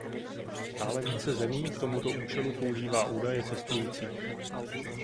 Stále více zemí k tomuto účelu používá údaje cestujících.